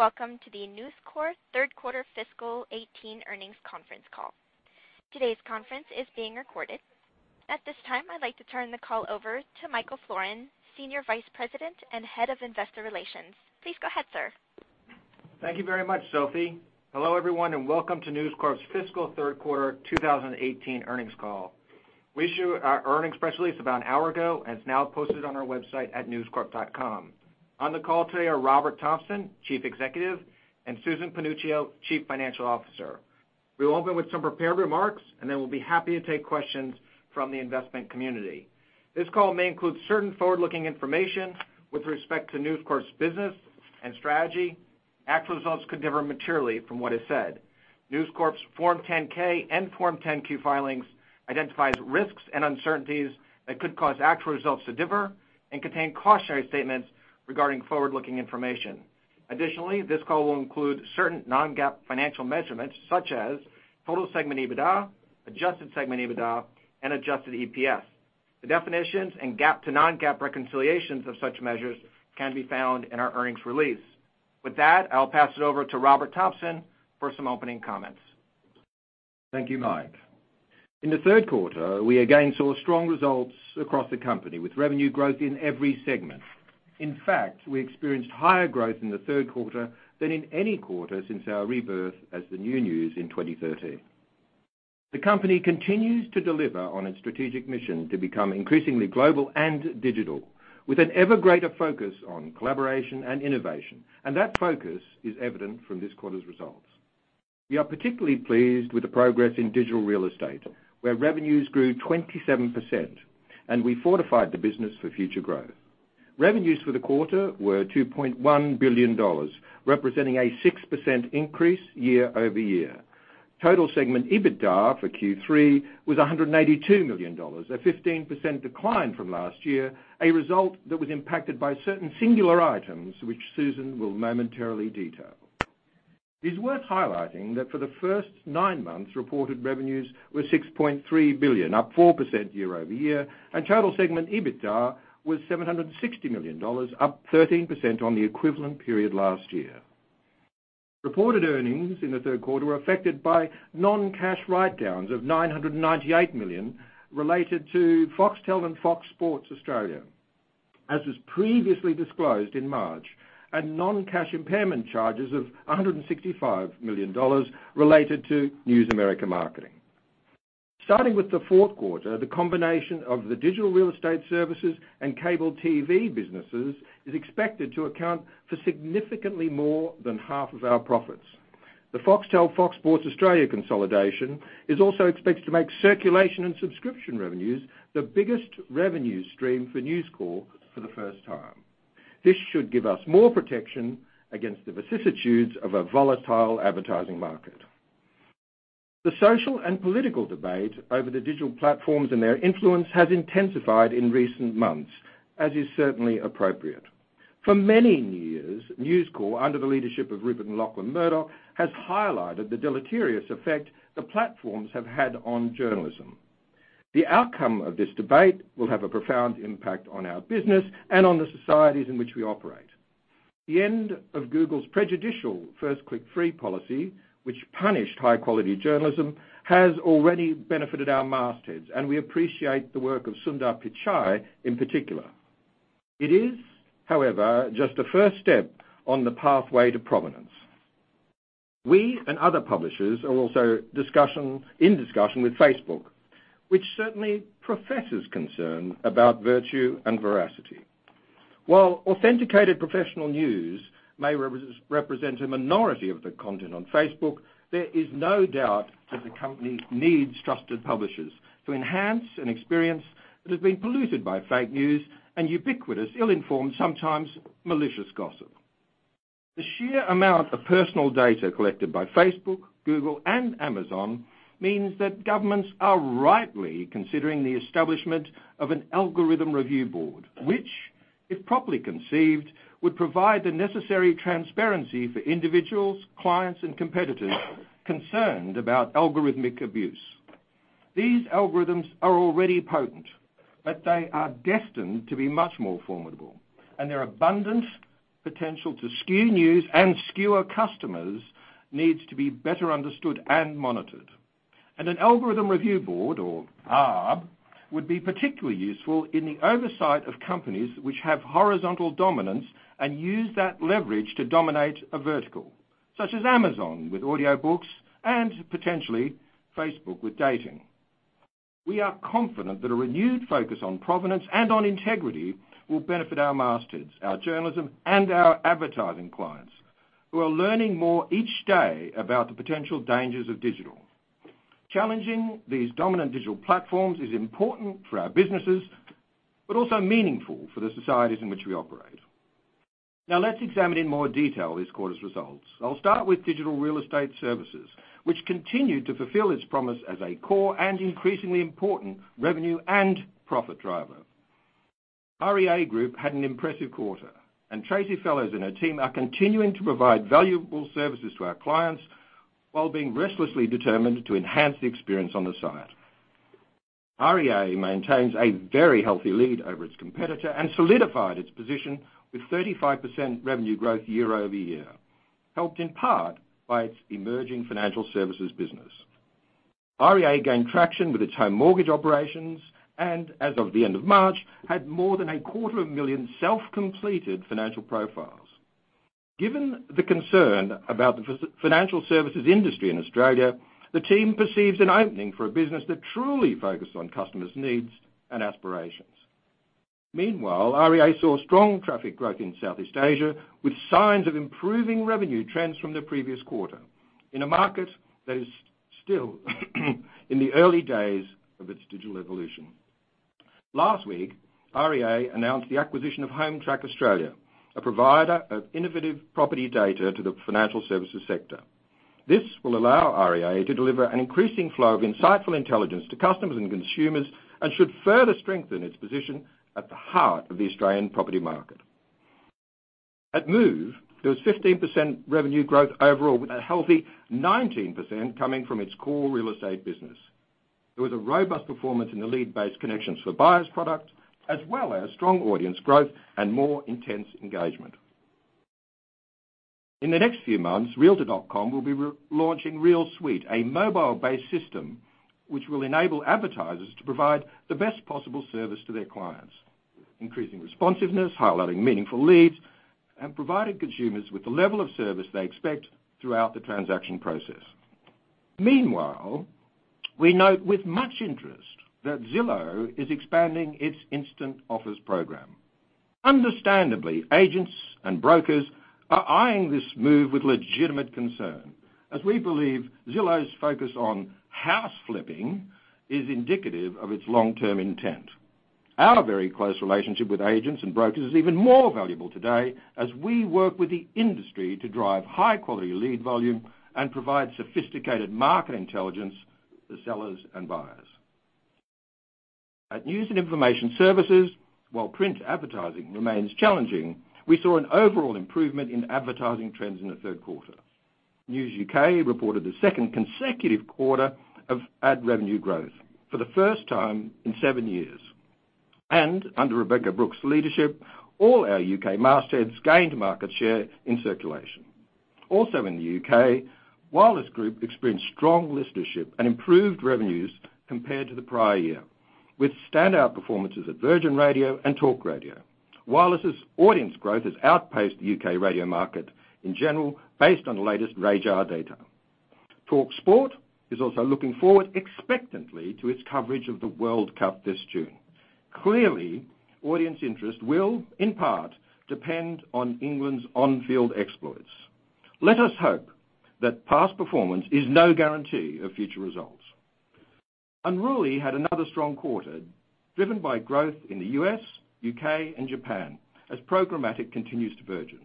Welcome to the News Corp Third Quarter Fiscal 2018 Earnings Conference Call. Today's conference is being recorded. At this time, I'd like to turn the call over to Michael Florin, Senior Vice President and Head of Investor Relations. Please go ahead, sir. Thank you very much, Sophie. Hello, everyone, welcome to News Corp's Fiscal Third Quarter 2018 earnings call. We issued our earnings press release about an hour ago, it's now posted on our website at newscorp.com. On the call today are Robert Thomson, Chief Executive, and Susan Panuccio, Chief Financial Officer. We will open with some prepared remarks, then we'll be happy to take questions from the investment community. This call may include certain forward-looking information with respect to News Corp's business and strategy. Actual results could differ materially from what is said. News Corp's Form 10-K and Form 10-Q filings identifies risks and uncertainties that could cause actual results to differ and contain cautionary statements regarding forward-looking information. Additionally, this call will include certain non-GAAP financial measurements such as total segment EBITDA, adjusted segment EBITDA, and adjusted EPS. The definitions and GAAP to non-GAAP reconciliations of such measures can be found in our earnings release. With that, I'll pass it over to Robert Thomson for some opening comments. Thank you, Mike. In the third quarter, we again saw strong results across the company, with revenue growth in every segment. In fact, we experienced higher growth in the third quarter than in any quarter since our rebirth as the New News in 2013. The company continues to deliver on its strategic mission to become increasingly global and digital, with an ever-greater focus on collaboration and innovation. That focus is evident from this quarter's results. We are particularly pleased with the progress in digital real estate, where revenues grew 27%, we fortified the business for future growth. Revenues for the quarter were $2.1 billion, representing a 6% increase year-over-year. Total segment EBITDA for Q3 was $182 million, a 15% decline from last year, a result that was impacted by certain singular items which Susan will momentarily detail. It's worth highlighting that for the first nine months, reported revenues were $6.3 billion, up 4% year-over-year, and total segment EBITDA was $760 million, up 13% on the equivalent period last year. Reported earnings in the third quarter were affected by non-cash write-downs of $998 million related to Foxtel and Fox Sports Australia, as was previously disclosed in March, and non-cash impairment charges of $165 million related to News America Marketing. Starting with the fourth quarter, the combination of the digital real estate services and cable TV businesses is expected to account for significantly more than half of our profits. The Foxtel Fox Sports Australia consolidation is also expected to make circulation and subscription revenues the biggest revenue stream for News Corp for the first time. This should give us more protection against the vicissitudes of a volatile advertising market. The social and political debate over the digital platforms and their influence has intensified in recent months, as is certainly appropriate. For many years, News Corp, under the leadership of Rupert Murdoch and Lachlan Murdoch, has highlighted the deleterious effect the platforms have had on journalism. The outcome of this debate will have a profound impact on our business and on the societies in which we operate. The end of Google's prejudicial First Click Free policy, which punished high-quality journalism, has already benefited our mastheads, and we appreciate the work of Sundar Pichai in particular. It is, however, just a first step on the pathway to provenance. We and other publishers are also in discussion with Facebook, which certainly professes concern about virtue and veracity. While authenticated professional news may represent a minority of the content on Facebook, there is no doubt that the company needs trusted publishers to enhance an experience that has been polluted by fake news and ubiquitous, ill-informed, sometimes malicious gossip. The sheer amount of personal data collected by Facebook, Google, and Amazon means that governments are rightly considering the establishment of an algorithm review board, which, if properly conceived, would provide the necessary transparency for individuals, clients, and competitors concerned about algorithmic abuse. These algorithms are already potent, but they are destined to be much more formidable, and their abundant potential to skew news and skewer customers needs to be better understood and monitored. An algorithm review board or ARB would be particularly useful in the oversight of companies which have horizontal dominance and use that leverage to dominate a vertical, such as Amazon with audiobooks and potentially Facebook with dating. We are confident that a renewed focus on provenance and on integrity will benefit our mastheads, our journalism, and our advertising clients, who are learning more each day about the potential dangers of digital. Challenging these dominant digital platforms is important for our businesses, but also meaningful for the societies in which we operate. Now let's examine in more detail this quarter's results. I'll start with digital real estate services, which continue to fulfill its promise as a core and increasingly important revenue and profit driver. REA Group had an impressive quarter. Tracey Fellows and her team are continuing to provide valuable services to our clients while being restlessly determined to enhance the experience on the site. REA maintains a very healthy lead over its competitor and solidified its position with 35% revenue growth year-over-year, helped in part by its emerging financial services business. REA gained traction with its home mortgage operations and as of the end of March, had more than a quarter of a million self-completed financial profiles. Given the concern about the financial services industry in Australia, the team perceives an opening for a business that truly focused on customers' needs and aspirations. Meanwhile, REA saw strong traffic growth in Southeast Asia, with signs of improving revenue trends from the previous quarter in a market that is still in the early days of its digital evolution. Last week, REA announced the acquisition of Hometrack Australia, a provider of innovative property data to the financial services sector. This will allow REA to deliver an increasing flow of insightful intelligence to customers and consumers and should further strengthen its position at the heart of the Australian property market. At Move, there was 15% revenue growth overall, with a healthy 19% coming from its core real estate business. There was a robust performance in the lead-based Connections for Buyers product, as well as strong audience growth and more intense engagement. In the next few months, realtor.com will be launching RealSuite, a mobile-based system which will enable advertisers to provide the best possible service to their clients, increasing responsiveness, highlighting meaningful leads, and providing consumers with the level of service they expect throughout the transaction process. Meanwhile, we note with much interest that Zillow is expanding its instant offers program. Understandably, agents and brokers are eyeing this move with legitimate concern, as we believe Zillow's focus on house flipping is indicative of its long-term intent. Our very close relationship with agents and brokers is even more valuable today as we work with the industry to drive high-quality lead volume and provide sophisticated market intelligence to sellers and buyers. At News & Information Services, while print advertising remains challenging, we saw an overall improvement in advertising trends in the third quarter. News UK reported the second consecutive quarter of ad revenue growth for the first time in seven years. Under Rebekah Brooks' leadership, all our U.K. mastheads gained market share in circulation. Also in the U.K., Wireless Group experienced strong listenership and improved revenues compared to the prior year, with standout performances at Virgin Radio and Talk Radio. Wireless's audience growth has outpaced the U.K. radio market in general, based on the latest RAJAR data. talkSPORT is also looking forward expectantly to its coverage of the World Cup this June. Clearly, audience interest will, in part, depend on England's on-field exploits. Let us hope that past performance is no guarantee of future results. Unruly had another strong quarter, driven by growth in the U.S., U.K., and Japan, as programmatic continues to burgeon.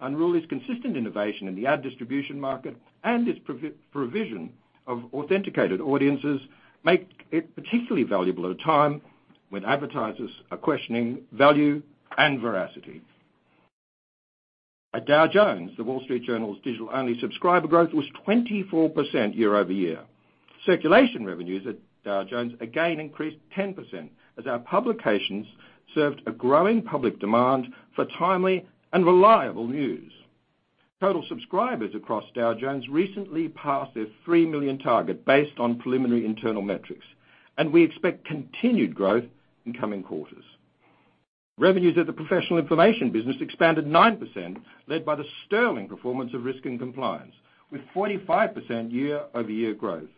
Unruly's consistent innovation in the ad distribution market and its provision of authenticated audiences make it particularly valuable at a time when advertisers are questioning value and veracity. At Dow Jones, The Wall Street Journal's digital-only subscriber growth was 24% year-over-year. Circulation revenues at Dow Jones again increased 10% as our publications served a growing public demand for timely and reliable news. Total subscribers across Dow Jones recently passed their 3 million target based on preliminary internal metrics, and we expect continued growth in coming quarters. Revenues at the professional information business expanded 9%, led by the sterling performance of Risk & Compliance, with 45% year-over-year growth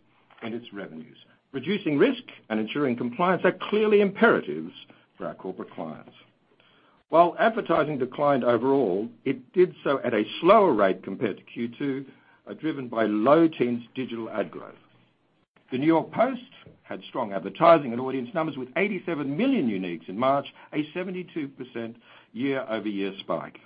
in its revenues. Reducing risk and ensuring compliance are clearly imperatives for our corporate clients. While advertising declined overall, it did so at a slower rate compared to Q2, driven by low-teens digital ad growth. The New York Post had strong advertising and audience numbers with 87 million uniques in March, a 72% year-over-year spike.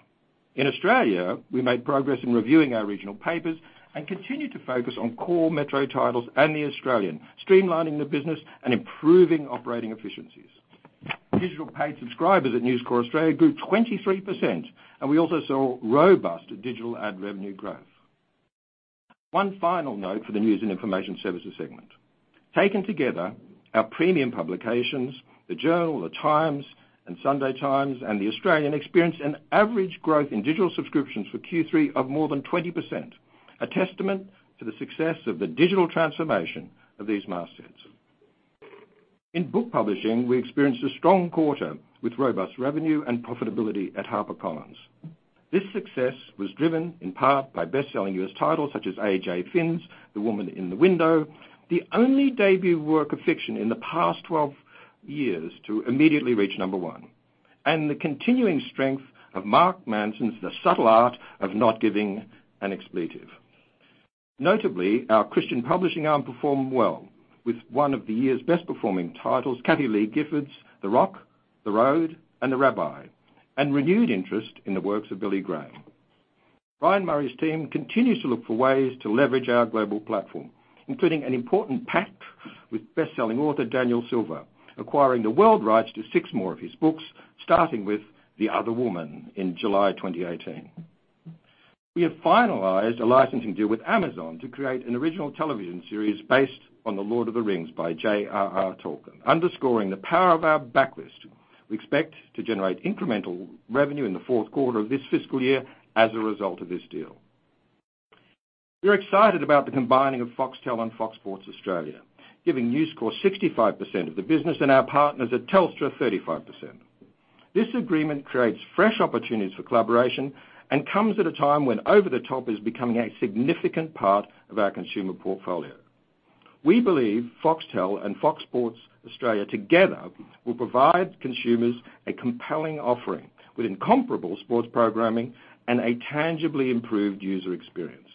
In Australia, we made progress in reviewing our regional papers and continued to focus on core metro titles and The Australian, streamlining the business and improving operating efficiencies. Digital paid subscribers at News Corp Australia grew 23%, and we also saw robust digital ad revenue growth. One final note for the News and Information Services segment. Taken together, our premium publications, The Journal, The Times and The Sunday Times, and The Australian, experienced an average growth in digital subscriptions for Q3 of more than 20%, a testament to the success of the digital transformation of these mastheads. In book publishing, we experienced a strong quarter with robust revenue and profitability at HarperCollins. This success was driven in part by best-selling U.S. titles such as A.J. Finn's "The Woman in the Window," the only debut work of fiction in the past 12 years to immediately reach number 1, and the continuing strength of Mark Manson's "The Subtle Art of Not Giving a F*ck." Notably, our Christian Publishing arm performed well with one of the year's best-performing titles, Kathie Lee Gifford's "The Rock, The Road, and The Rabbi," and renewed interest in the works of Billy Graham. Brian Murray's team continues to look for ways to leverage our global platform, including an important pact with best-selling author Daniel Silva, acquiring the world rights to six more of his books, starting with "The Other Woman" in July 2018. We have finalized a licensing deal with Amazon to create an original television series based on "The Lord of the Rings" by J.R.R. Tolkien, underscoring the power of our backlist. We expect to generate incremental revenue in the fourth quarter of this fiscal year as a result of this deal. We're excited about the combining of Foxtel and Fox Sports Australia, giving News Corp 65% of the business and our partners at Telstra 35%. This agreement creates fresh opportunities for collaboration and comes at a time when over-the-top is becoming a significant part of our consumer portfolio. We believe Foxtel and Fox Sports Australia together will provide consumers a compelling offering with incomparable sports programming and a tangibly improved user experience.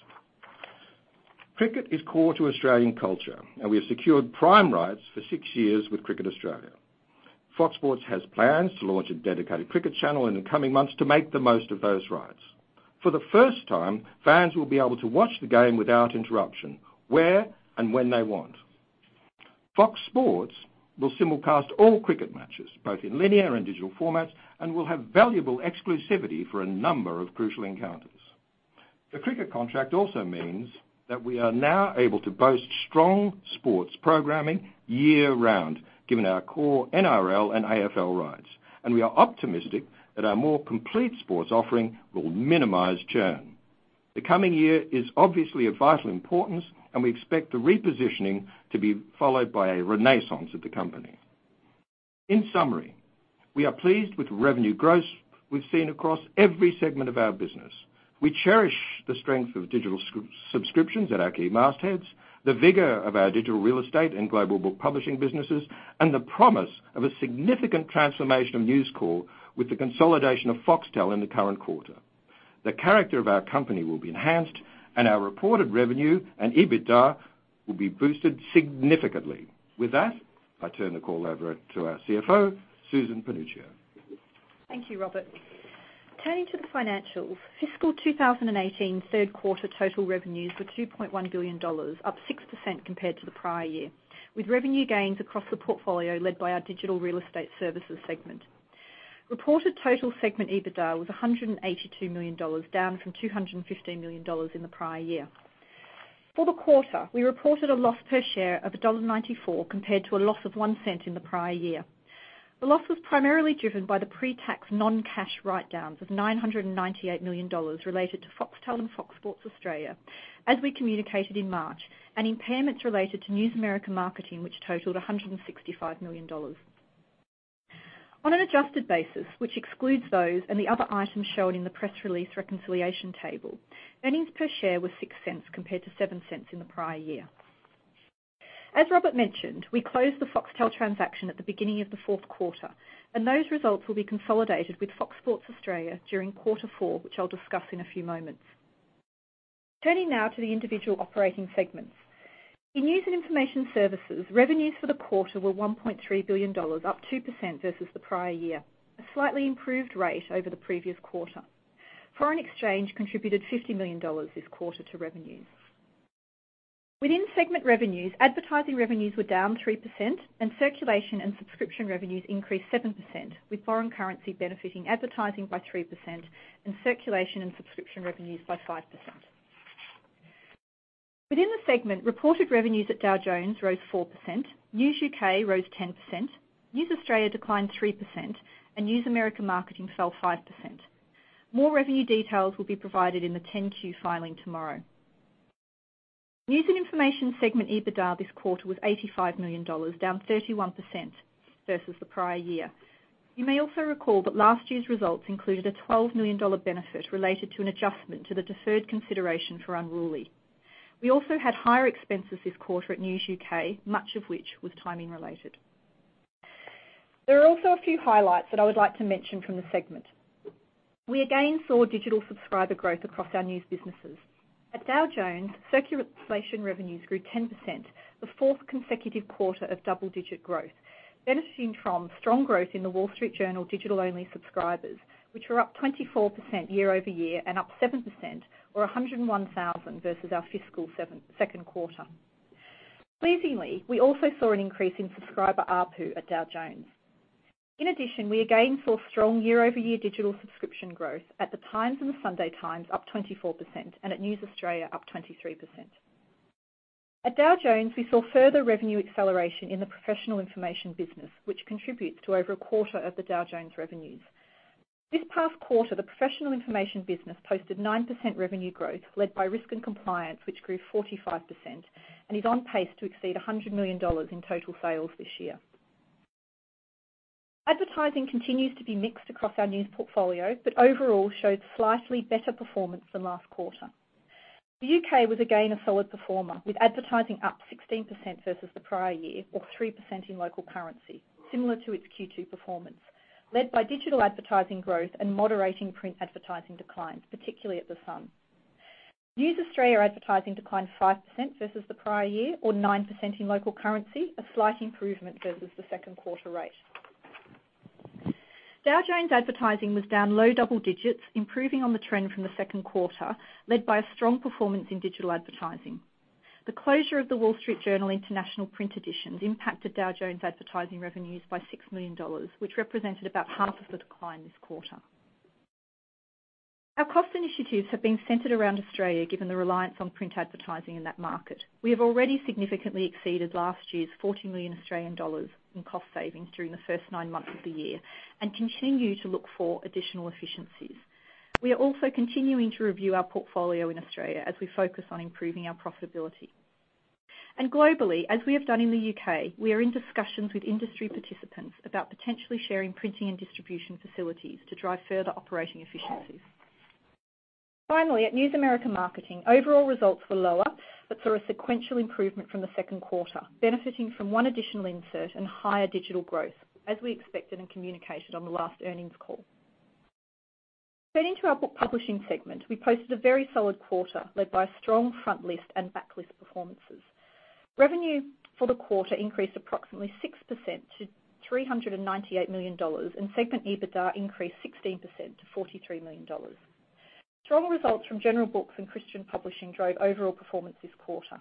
Cricket is core to Australian culture, and we have secured prime rights for six years with Cricket Australia. Fox Sports has plans to launch a dedicated cricket channel in the coming months to make the most of those rights. For the first time, fans will be able to watch the game without interruption, where and when they want. Fox Sports will simulcast all cricket matches, both in linear and digital formats, and will have valuable exclusivity for a number of crucial encounters. The cricket contract also means that we are now able to boast strong sports programming year-round, given our core NRL and AFL rights, and we are optimistic that our more complete sports offering will minimize churn. The coming year is obviously of vital importance, and we expect the repositioning to be followed by a renaissance of the company. In summary, we are pleased with the revenue growth we've seen across every segment of our business. We cherish the strength of digital subscriptions at our key mastheads, the vigor of our digital real estate and global book publishing businesses, and the promise of a significant transformation of News Corp with the consolidation of Foxtel in the current quarter. The character of our company will be enhanced, and our reported revenue and EBITDA will be boosted significantly. With that, I turn the call over to our CFO, Susan Panuccio. Thank you, Robert. Turning to the financials, fiscal 2018 third quarter total revenues were $2.1 billion, up 6% compared to the prior year, with revenue gains across the portfolio led by our digital real estate services segment. Reported total segment EBITDA was $182 million, down from $215 million in the prior year. For the quarter, we reported a loss per share of $1.94, compared to a loss of $0.01 in the prior year. The loss was primarily driven by the pre-tax non-cash write-downs of $998 million related to Foxtel and Fox Sports Australia, as we communicated in March, and impairments related to News America Marketing, which totaled $165 million. On an adjusted basis, which excludes those and the other items shown in the press release reconciliation table, earnings per share were $0.06 compared to $0.07 in the prior year. As Robert mentioned, we closed the Foxtel transaction at the beginning of the fourth quarter. Those results will be consolidated with Fox Sports Australia during quarter four, which I'll discuss in a few moments. Turning now to the individual operating segments. In News & Information Services, revenues for the quarter were $1.3 billion, up 2% versus the prior year, a slightly improved rate over the previous quarter. Foreign exchange contributed $50 million this quarter to revenues. Within segment revenues, advertising revenues were down 3%. Circulation and subscription revenues increased 7%. Foreign currency benefiting advertising by 3% and circulation and subscription revenues by 5%. Within the segment, reported revenues at Dow Jones rose 4%, News UK rose 10%, News Australia declined 3%, and News America Marketing fell 5%. More revenue details will be provided in the 10-Q filing tomorrow. News & Information segment EBITDA this quarter was $85 million, down 31% versus the prior year. You may also recall that last year's results included a $12 million benefit related to an adjustment to the deferred consideration for Unruly. We also had higher expenses this quarter at News UK, much of which was timing-related. There are also a few highlights that I would like to mention from the segment. We again saw digital subscriber growth across our news businesses. At Dow Jones, circulation revenues grew 10%, the fourth consecutive quarter of double-digit growth, benefiting from strong growth in The Wall Street Journal digital-only subscribers, which were up 24% year-over-year and up 7%, or 101,000, versus our fiscal second quarter. Pleasingly, we also saw an increase in subscriber ARPU at Dow Jones. We again saw strong year-over-year digital subscription growth at The Times and The Sunday Times, up 24%, and at News Corp Australia, up 23%. At Dow Jones, we saw further revenue acceleration in the Professional Information Business, which contributes to over a quarter of the Dow Jones revenues. This past quarter, the Professional Information Business posted 9% revenue growth, led by Risk & Compliance, which grew 45% and is on pace to exceed $100 million in total sales this year. Advertising continues to be mixed across our news portfolio, but overall showed slightly better performance than last quarter. The U.K. was again a solid performer, with advertising up 16% versus the prior year, or 3% in local currency, similar to its Q2 performance, led by digital advertising growth and moderating print advertising declines, particularly at The Sun. News Corp Australia advertising declined 5% versus the prior year, or 9% in local currency, a slight improvement versus the second quarter rate. Dow Jones advertising was down low double digits, improving on the trend from the second quarter, led by a strong performance in digital advertising. The closure of The Wall Street Journal International print editions impacted Dow Jones' advertising revenues by $6 million, which represented about half of the decline this quarter. Our cost initiatives have been centered around Australia, given the reliance on print advertising in that market. We have already significantly exceeded last year's AUD $14 million in cost savings during the first nine months of the year, and continue to look for additional efficiencies. We are also continuing to review our portfolio in Australia as we focus on improving our profitability. Globally, as we have done in the U.K., we are in discussions with industry participants about potentially sharing printing and distribution facilities to drive further operating efficiencies. Finally, at News America Marketing, overall results were lower, but saw a sequential improvement from the second quarter, benefiting from one additional insert and higher digital growth, as we expected and communicated on the last earnings call. Turning to our Book Publishing segment, we posted a very solid quarter led by strong frontlist and backlist performances. Revenue for the quarter increased approximately 6% to $398 million, and segment EBITDA increased 16% to $43 million. Strong results from General Books and Christian Publishing drove overall performance this quarter.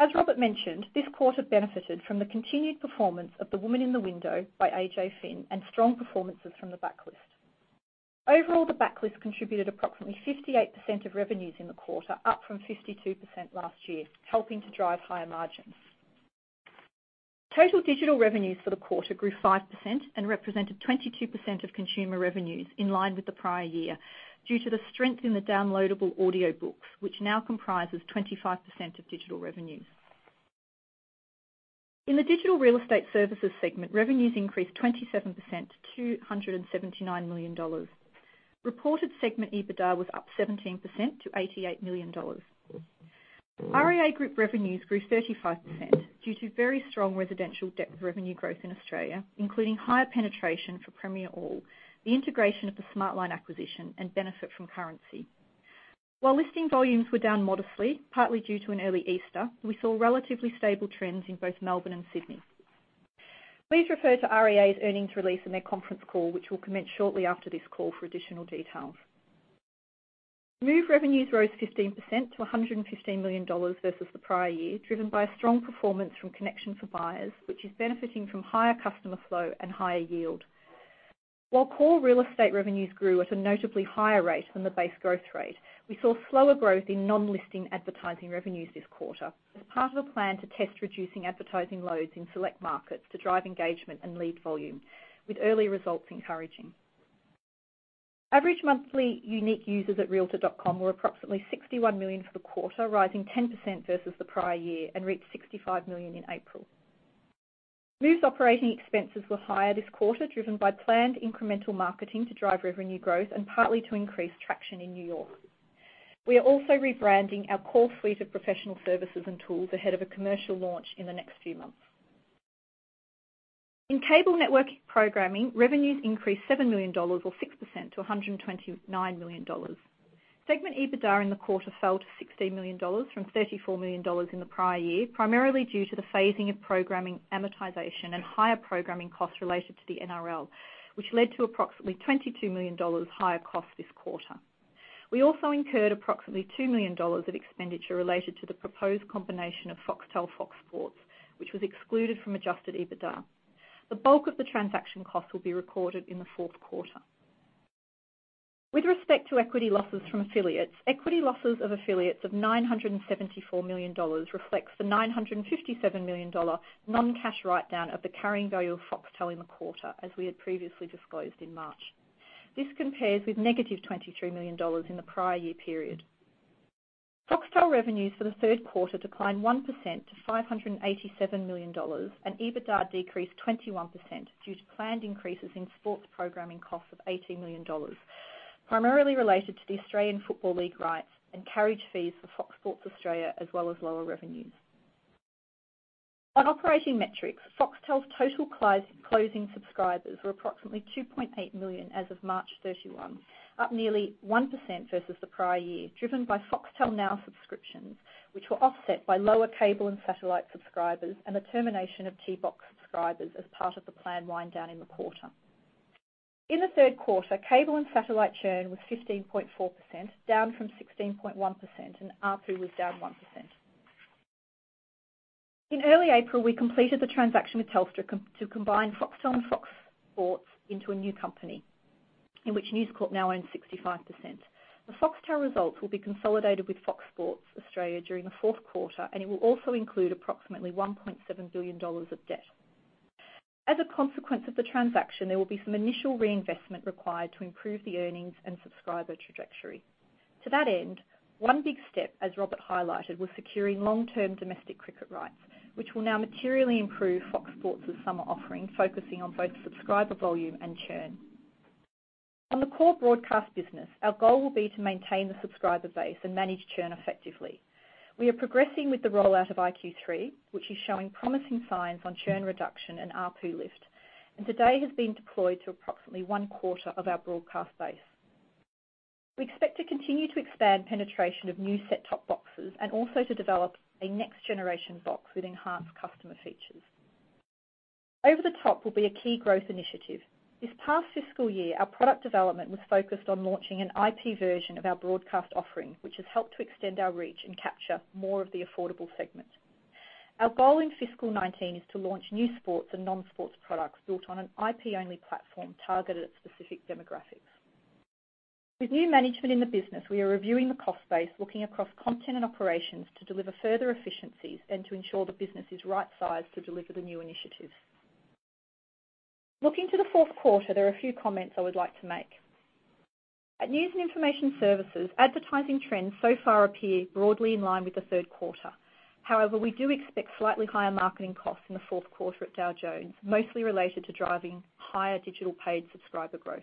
As Robert mentioned, this quarter benefited from the continued performance of "The Woman in the Window" by A.J. Finn, and strong performances from the backlist. Overall, the backlist contributed approximately 58% of revenues in the quarter, up from 52% last year, helping to drive higher margins. Total digital revenues for the quarter grew 5% and represented 22% of consumer revenues, in line with the prior year, due to the strength in the downloadable audiobooks, which now comprises 25% of digital revenues. In the Digital Real Estate Services segment, revenues increased 27% to $279 million. Reported segment EBITDA was up 17% to $88 million. REA Group revenues grew 35% due to very strong residential depth revenue growth in Australia, including higher penetration for Premiere All, the integration of the Smartline acquisition, and benefit from currency. While listing volumes were down modestly, partly due to an early Easter, we saw relatively stable trends in both Melbourne and Sydney. Please refer to REA's earnings release and their conference call, which will commence shortly after this call for additional details. Move revenues rose 15% to $115 million versus the prior year, driven by a strong performance from Connections for Buyers, which is benefiting from higher customer flow and higher yield. While core real estate revenues grew at a notably higher rate than the base growth rate, we saw slower growth in non-listing advertising revenues this quarter as part of a plan to test reducing advertising loads in select markets to drive engagement and lead volume, with early results encouraging. Average monthly unique users at realtor.com were approximately 61 million for the quarter, rising 10% versus the prior year, and reached 65 million in April. Move's operating expenses were higher this quarter, driven by planned incremental marketing to drive revenue growth and partly to increase traction in New York. We are also rebranding our core suite of professional services and tools ahead of a commercial launch in the next few months. In Cable Network Programming, revenues increased $7 million or 6% to $129 million. Segment EBITDA in the quarter fell to $16 million from $34 million in the prior year, primarily due to the phasing of programming amortization and higher programming costs related to the NRL, which led to approximately $22 million higher cost this quarter. We also incurred approximately $2 million of expenditure related to the proposed combination of Foxtel, Fox Sports, which was excluded from adjusted EBITDA. The bulk of the transaction cost will be recorded in the fourth quarter. With respect to equity losses from affiliates, equity losses of affiliates of $974 million reflects the $957 million non-cash write-down of the carrying value of Foxtel in the quarter, as we had previously disclosed in March. This compares with negative $23 million in the prior year period. Foxtel revenues for the third quarter declined 1% to $587 million, and EBITDA decreased 21% due to planned increases in sports programming costs of $80 million, primarily related to the Australian Football League rights and carriage fees for Fox Sports Australia, as well as lower revenues. On operating metrics, Foxtel's total closing subscribers were approximately 2.8 million as of March 31, up nearly 1% versus the prior year, driven by Foxtel Now subscriptions, which were offset by lower cable and satellite subscribers and the termination of T-Box subscribers as part of the planned wind down in the quarter. In the third quarter, cable and satellite churn was 15.4%, down from 16.1%, and ARPU was down 1%. In early April, we completed the transaction with Telstra to combine Foxtel and Fox Sports into a new company in which News Corp now owns 65%. The Foxtel results will be consolidated with Fox Sports Australia during the fourth quarter, and it will also include approximately $1.7 billion of debt. As a consequence of the transaction, there will be some initial reinvestment required to improve the earnings and subscriber trajectory. To that end, one big step, as Robert Thomson highlighted, was securing long-term domestic cricket rights, which will now materially improve Fox Sports' summer offering, focusing on both subscriber volume and churn. On the core broadcast business, our goal will be to maintain the subscriber base and manage churn effectively. We are progressing with the rollout of iQ3, which is showing promising signs on churn reduction and ARPU lift, and to date has been deployed to approximately one-quarter of our broadcast base. We expect to continue to expand penetration of new set-top boxes and also to develop a next-generation box with enhanced customer features. Over-the-top will be a key growth initiative. This past fiscal year, our product development was focused on launching an IP version of our broadcast offering, which has helped to extend our reach and capture more of the affordable segment. Our goal in FY 2019 is to launch new sports and non-sports products built on an IP-only platform targeted at specific demographics. With new management in the business, we are reviewing the cost base, looking across content and operations to deliver further efficiencies and to ensure the business is right-sized to deliver the new initiatives. Looking to the fourth quarter, there are a few comments I would like to make. At News & Information Services, advertising trends so far appear broadly in line with the third quarter. However, we do expect slightly higher marketing costs in the fourth quarter at Dow Jones, mostly related to driving higher digital paid subscriber growth.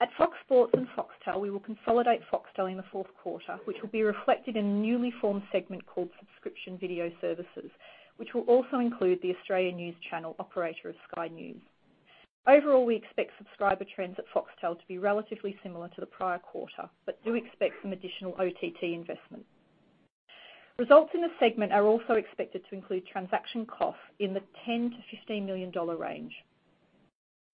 At Fox Sports and Foxtel, we will consolidate Foxtel in the fourth quarter, which will be reflected in a newly formed segment called Subscription Video Services, which will also include the Australian news channel operator of Sky News Australia. Overall, we expect subscriber trends at Foxtel to be relatively similar to the prior quarter, but do expect some additional OTT investment. Results in the segment are also expected to include transaction costs in the $10 million-$15 million range.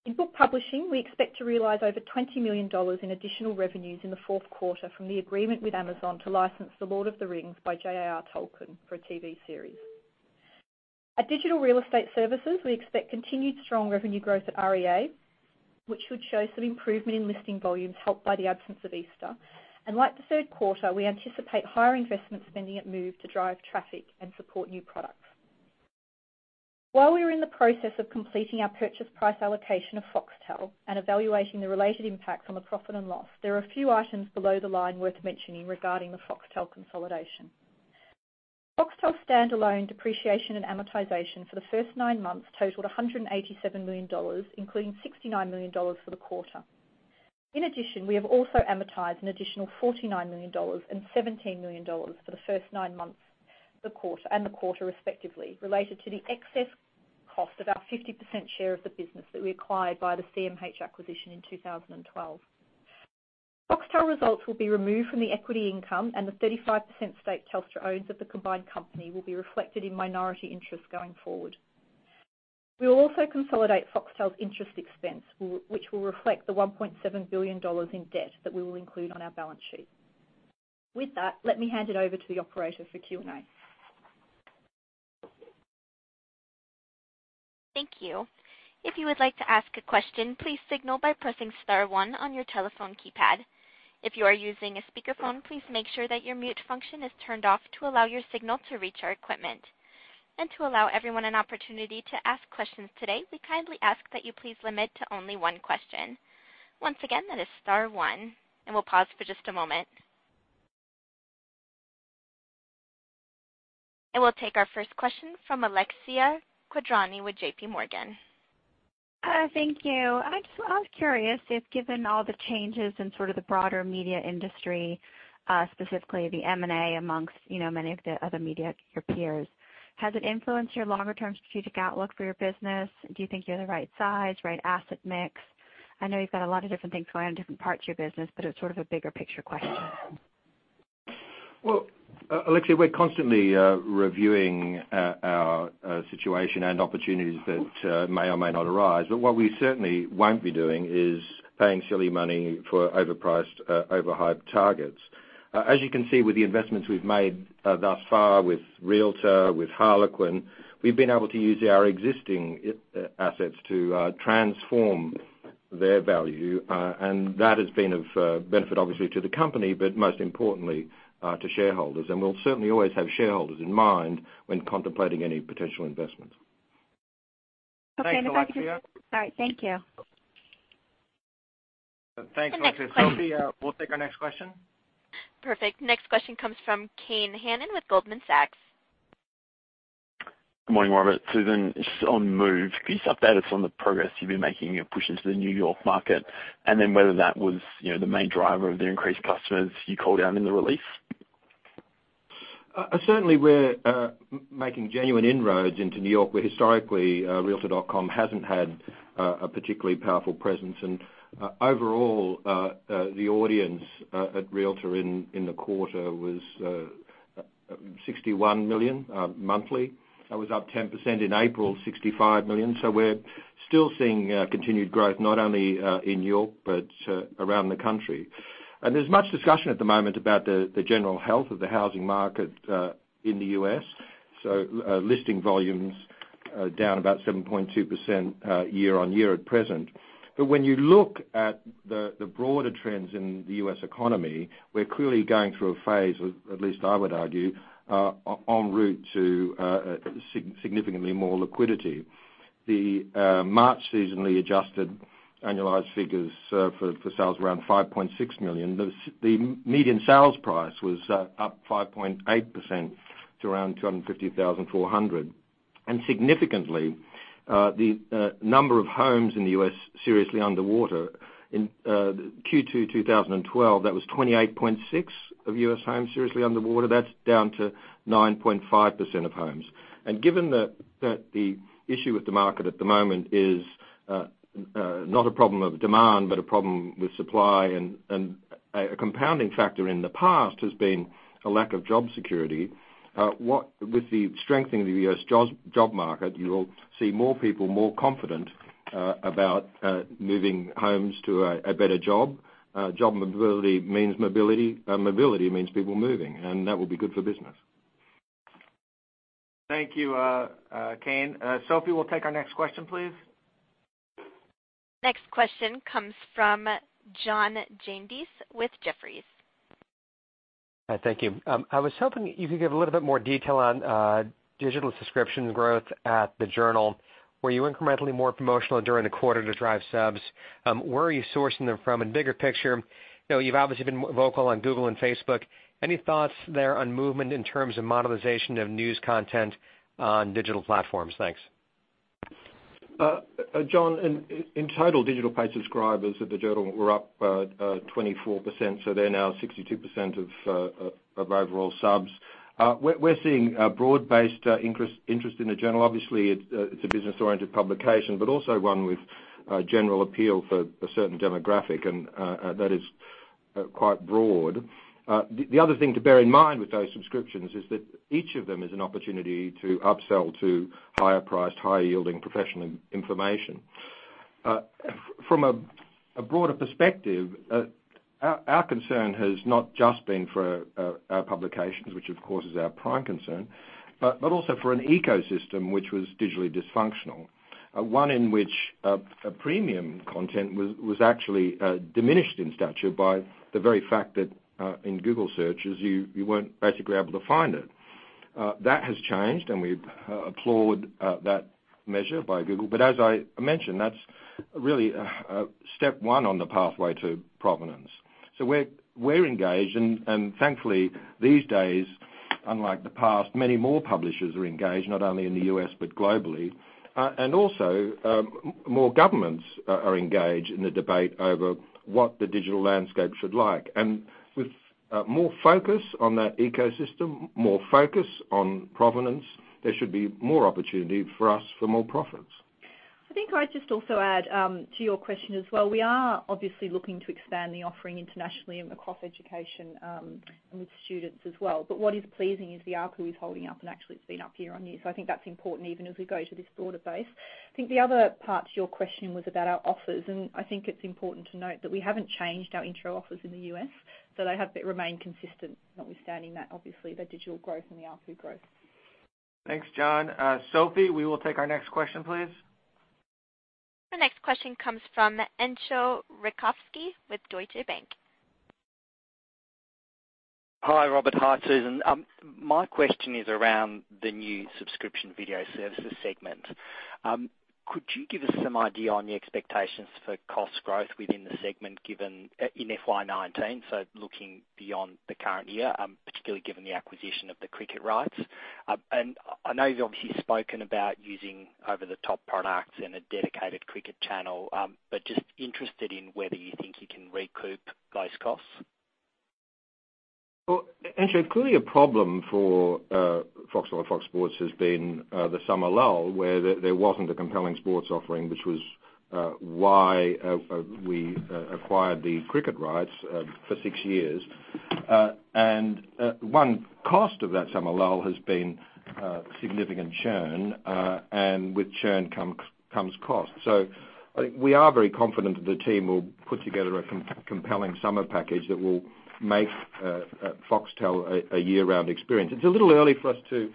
In book publishing, we expect to realize over $20 million in additional revenues in the fourth quarter from the agreement with Amazon to license "The Lord of the Rings" by J.R.R. Tolkien for a TV series. At Digital Real Estate Services, we expect continued strong revenue growth at REA, which should show some improvement in listing volumes helped by the absence of Easter. Like the third quarter, we anticipate higher investment spending at Move to drive traffic and support new products. While we are in the process of completing our purchase price allocation of Foxtel and evaluating the related impact on the profit and loss, there are a few items below the line worth mentioning regarding the Foxtel consolidation. Foxtel standalone depreciation and amortization for the first nine months totaled $187 million, including $69 million for the quarter. In addition, we have also amortized an additional $49 million and $17 million for the first nine months and the quarter respectively, related to the excess cost of our 50% share of the business that we acquired by the CMH acquisition in 2012. Foxtel results will be removed from the equity income, and the 35% stake Telstra owns of the combined company will be reflected in minority interests going forward. We'll also consolidate Foxtel's interest expense, which will reflect the $1.7 billion in debt that we will include on our balance sheet. With that, let me hand it over to the operator for Q&A. Thank you. If you would like to ask a question, please signal by pressing star one on your telephone keypad. If you are using a speakerphone, please make sure that your mute function is turned off to allow your signal to reach our equipment. To allow everyone an opportunity to ask questions today, we kindly ask that you please limit to only one question. Once again, that is star one. We'll pause for just a moment. We'll take our first question from Alexia Quadrani with J.P. Morgan. Hi, thank you. I was curious if, given all the changes in sort of the broader media industry, specifically the M&A amongst many of the other media, your peers, has it influenced your longer-term strategic outlook for your business? Do you think you're the right size, right asset mix? I know you've got a lot of different things going on in different parts of your business, but it's sort of a bigger picture question. Well, Alexia, we're constantly reviewing our situation and opportunities that may or may not arise. What we certainly won't be doing is paying silly money for overpriced, overhyped targets. As you can see with the investments we've made thus far with realtor.com, with Harlequin, we've been able to use our existing assets to transform their value, and that has been of benefit obviously to the company, but most importantly, to shareholders, and we'll certainly always have shareholders in mind when contemplating any potential investments. Okay. Thanks, Alexia. All right. Thank you. The next question. Thanks, Alexia. Sophie, we'll take our next question. Perfect. Next question comes from Kane Hannan with Goldman Sachs. Good morning, Robert. Susan. Just on Move, could you update us on the progress you've been making in your push into the New York market, whether that was the main driver of the increased customers you called out in the release? Certainly, we're making genuine inroads into New York, where historically, realtor.com hasn't had a particularly powerful presence. Overall, the audience at realtor.com in the quarter was $61 million monthly. That was up 10% in April, $65 million. We're still seeing continued growth, not only in New York but around the country. There's much discussion at the moment about the general health of the housing market in the U.S., listing volumes are down about 7.2% year-over-year at present. When you look at the broader trends in the U.S. economy, we're clearly going through a phase, or at least I would argue, en route to significantly more liquidity. The March seasonally adjusted annualized figures for sales were around $5.6 million. The median sales price was up 5.8% to around $250,400. Significantly, the number of homes in the U.S. seriously underwater in Q2 2012, that was 28.6% of U.S. homes seriously underwater. That's down to 9.5% of homes. Given that the issue with the market at the moment is not a problem of demand, but a problem with supply and A compounding factor in the past has been a lack of job security. With the strengthening of the U.S. job market, you will see more people more confident about moving homes to a better job. Job mobility means mobility means people moving, that will be good for business. Thank you, Kane. Sophie, we'll take our next question, please. Next question comes from John Janedis with Jefferies. Hi, thank you. I was hoping you could give a little bit more detail on digital subscription growth at The Wall Street Journal. Were you incrementally more promotional during the quarter to drive subs? Where are you sourcing them from? Bigger picture, you've obviously been vocal on Google and Facebook. Any thoughts there on movement in terms of monetization of news content on digital platforms? Thanks. John, in total, digital paid subscribers at The Wall Street Journal were up 24%, so they're now 62% of overall subs. We're seeing a broad-based interest in The Wall Street Journal. Obviously, it's a business-oriented publication, but also one with general appeal for a certain demographic, and that is quite broad. The other thing to bear in mind with those subscriptions is that each of them is an opportunity to upsell to higher priced, higher yielding professional information. From a broader perspective, our concern has not just been for our publications, which of course is our prime concern, but also for an ecosystem which was digitally dysfunctional. One in which premium content was actually diminished in stature by the very fact that in Google searches, you weren't basically able to find it. That has changed. We applaud that measure by Google. As I mentioned, that's really step 1 on the pathway to provenance. We're engaged, and thankfully, these days, unlike the past, many more publishers are engaged, not only in the U.S. but globally. Also, more governments are engaged in the debate over what the digital landscape should look like. With more focus on that ecosystem, more focus on provenance, there should be more opportunity for us for more profits. I think I'd just also add to your question as well. We are obviously looking to expand the offering internationally and across education with students as well. What is pleasing is the ARPU is holding up, and actually it's been up year-on-year. I think that's important even as we go to this broader base. I think the other part to your question was about our offers. I think it's important to note that we haven't changed our intro offers in the U.S. They have remained consistent notwithstanding that, obviously, the digital growth and the ARPU growth. Thanks, John Janedis. Sophie, we will take our next question, please. The next question comes from Entcho Raykovski with Deutsche Bank. Hi, Robert Thomson. Hi, Susan Panuccio. My question is around the new Subscription Video Services segment. Could you give us some idea on the expectations for cost growth within the segment in FY 2019, so looking beyond the current year, particularly given the acquisition of the Cricket rights? I know you've obviously spoken about using over-the-top products and a dedicated cricket channel, but just interested in whether you think you can recoup those costs. Well, Entcho, clearly a problem for Foxtel or Fox Sports has been the summer lull where there wasn't a compelling sports offering, which was why we acquired the Cricket rights for six years. One cost of that summer lull has been significant churn, and with churn comes cost. I think we are very confident that the team will put together a compelling summer package that will make Foxtel a year-round experience. It's a little early for us to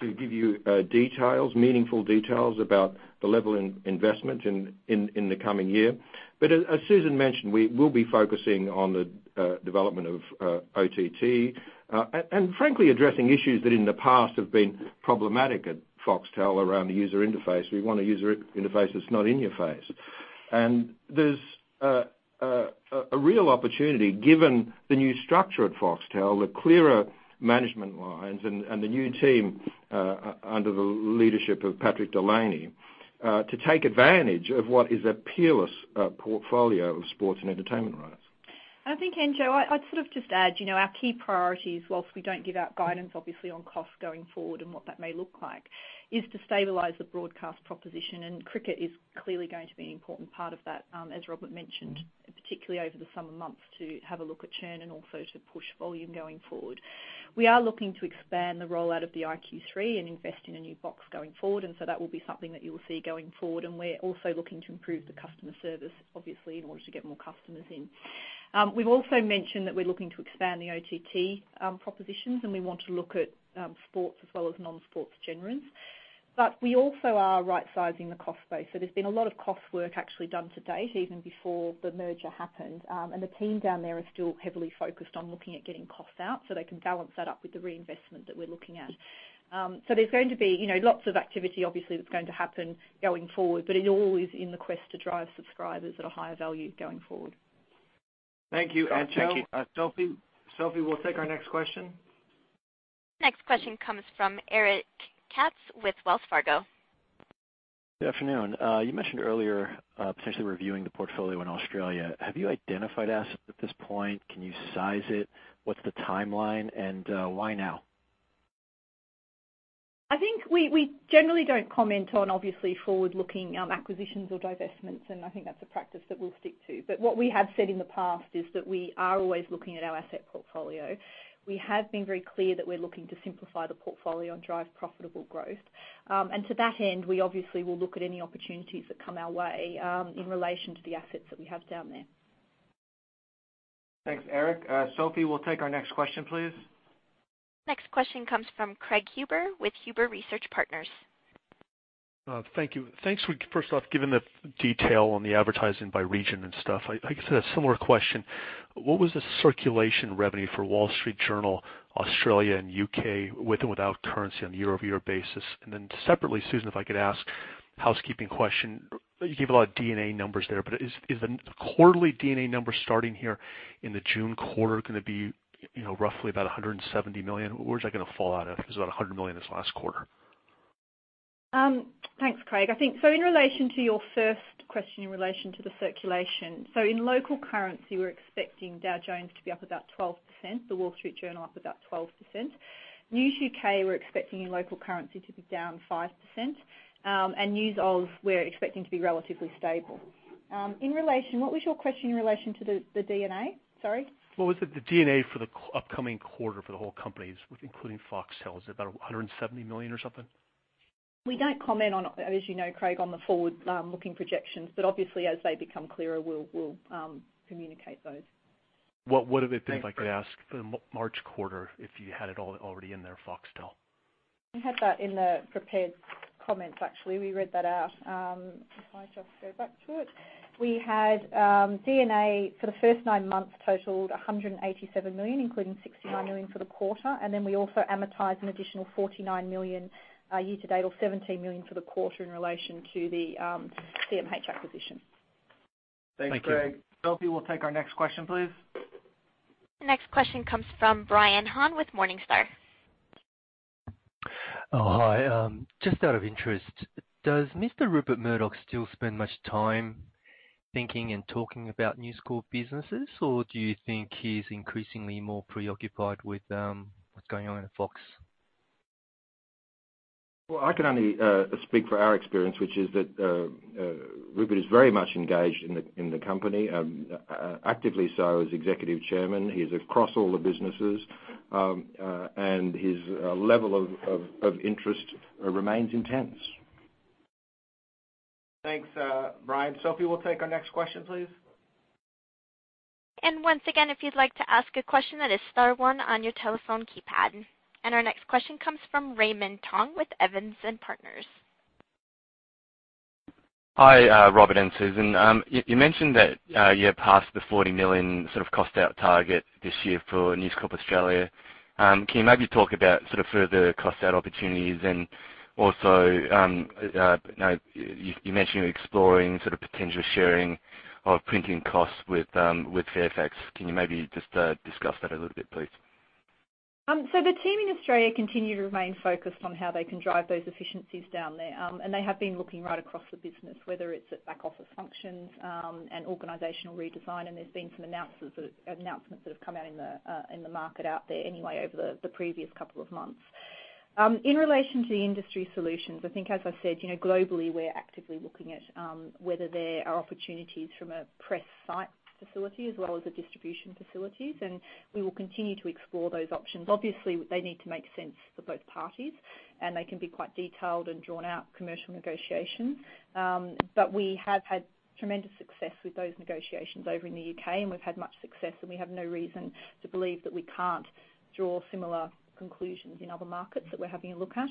give you details, meaningful details, about the level in investment in the coming year. As Susan Panuccio mentioned, we'll be focusing on the development of OTT, and frankly, addressing issues that in the past have been problematic at Foxtel around the user interface. We want a user interface that's not in your face. There's a real opportunity, given the new structure at Foxtel, the clearer management lines and the new team under the leadership of Patrick Delany, to take advantage of what is a peerless portfolio of sports and entertainment rights. I think, Entcho, I'd just add, our key priorities, whilst we don't give out guidance obviously on costs going forward and what that may look like, is to stabilize the broadcast proposition. Cricket is clearly going to be an important part of that, as Robert mentioned, particularly over the summer months, to have a look at churn and also to push volume going forward. We are looking to expand the rollout of the iQ3 and invest in a new box going forward, and so that will be something that you will see going forward, and we're also looking to improve the customer service, obviously, in order to get more customers in. We've also mentioned that we're looking to expand the OTT propositions, and we want to look at sports as well as non-sports genres. We also are rightsizing the cost base. There's been a lot of cost work actually done to date, even before the merger happened. The team down there are still heavily focused on looking at getting costs out so they can balance that up with the reinvestment that we're looking at. There's going to be lots of activity, obviously, that's going to happen going forward, but it all is in the quest to drive subscribers at a higher value going forward. Thank you, Entcho. Thank you. Sophie? Sophie, we'll take our next question. Next question comes from Eric Katz with Wells Fargo. Good afternoon. You mentioned earlier potentially reviewing the portfolio in Australia. Have you identified assets at this point? Can you size it? What's the timeline and why now? I think we generally don't comment on, obviously, forward-looking acquisitions or divestments, and I think that's a practice that we'll stick to. What we have said in the past is that we are always looking at our asset portfolio. We have been very clear that we're looking to simplify the portfolio and drive profitable growth. To that end, we obviously will look at any opportunities that come our way, in relation to the assets that we have down there. Thanks, Eric. Sophie, we'll take our next question, please. Next question comes from Craig Huber with Huber Research Partners. Thank you. Thanks, first off, given the detail on the advertising by region and stuff. I guess a similar question, what was the circulation revenue for The Wall Street Journal, Australia, and U.K. with or without currency on a year-over-year basis? Separately, Susan, if I could ask housekeeping question. You gave a lot of D&A numbers there, but is the quarterly D&A numbers starting here in the June quarter going to be roughly about $170 million? Where is that going to fall out if it was about $100 million this last quarter? Thanks, Craig. In relation to your first question in relation to the circulation. In local currency, we're expecting Dow Jones to be up about 12%, The Wall Street Journal up about 12%. News UK, we're expecting in local currency to be down 5%, and News Aus we're expecting to be relatively stable. What was your question in relation to the D&A? Sorry. What was the D&A for the upcoming quarter for the whole companies, including Foxtel? Is it about $170 million or something? We don't comment on, as you know, Craig, on the forward-looking projections, obviously, as they become clearer, we'll communicate those. What would it have been, if I could ask, the March quarter, if you had it all already in there, Foxtel? We had that in the prepared comments, actually. We read that out. If I just go back to it. We had D&A for the first nine months totaled $187 million, including $69 million for the quarter. We also amortized an additional $49 million year to date or $17 million for the quarter in relation to the CMH acquisition. Thank you. Thanks, Craig. Sophie, we'll take our next question, please. The next question comes from Brian Han with Morningstar. Oh, hi. Just out of interest, does Mr. Rupert Murdoch still spend much time thinking and talking about News Corp businesses, or do you think he's increasingly more preoccupied with what's going on in Fox? Well, I can only speak for our experience, which is that Rupert is very much engaged in the company, actively so as Executive Chairman. He's across all the businesses, his level of interest remains intense. Thanks, Brian. Sophie, we'll take our next question, please. Once again, if you'd like to ask a question, that is star one on your telephone keypad. Our next question comes from Raymond Tong with Evans & Partners. Hi, Robert and Susan. You mentioned that you have passed the $40 million cost out target this year for News Corp Australia. Also, you mentioned you're exploring potential sharing of printing costs with Fairfax. Can you maybe just discuss that a little bit, please? The team in Australia continue to remain focused on how they can drive those efficiencies down there. They have been looking right across the business, whether it's at back office functions, and organizational redesign, and there's been some announcements that have come out in the market out there anyway over the previous couple of months. In relation to the industry solutions, I think as I said, globally, we're actively looking at whether there are opportunities from a press site facility as well as the distribution facilities, and we will continue to explore those options. Obviously, they need to make sense for both parties, and they can be quite detailed and drawn-out commercial negotiations. We have had tremendous success with those negotiations over in the U.K., and we've had much success, and we have no reason to believe that we can't draw similar conclusions in other markets that we're having a look at.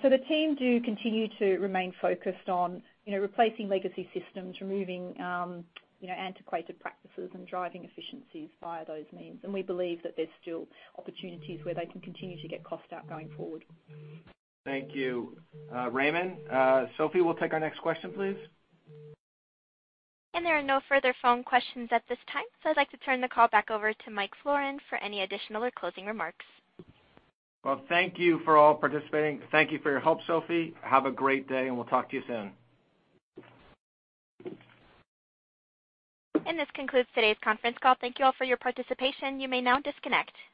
The team do continue to remain focused on replacing legacy systems, removing antiquated practices and driving efficiencies via those means. We believe that there's still opportunities where they can continue to get cost out going forward. Thank you, Raymond. Sophie, we'll take our next question, please. There are no further phone questions at this time. I'd like to turn the call back over to Mike Florin for any additional or closing remarks. Well, thank you for all participating. Thank you for your help, Sophie. Have a great day, and we'll talk to you soon. This concludes today's conference call. Thank you all for your participation. You may now disconnect.